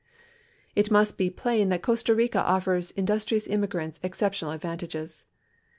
It must be plain that Costa Rica offers industrious immigrants exceptional advantages.